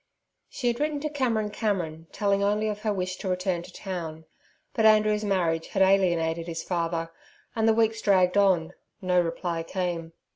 She had written to Cameron Cameron, telling only of her wish to return to town; but Andrew's marriage had alienated his father, and the weeks dragged on—no reply came.